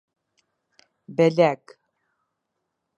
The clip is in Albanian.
Beleg